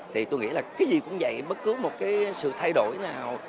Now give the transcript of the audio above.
thì tôi nghĩ là cái gì cũng vậy bất cứ một cái sự thay đổi nào